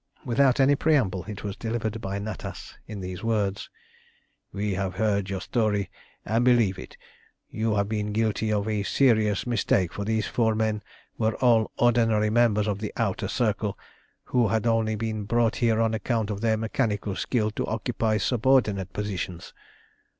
Without any preamble it was delivered by Natas in these words "We have heard your story, and believe it. You have been guilty of a serious mistake, for these four men were all ordinary members of the Outer Circle, who had only been brought here on account of their mechanical skill to occupy subordinate positions.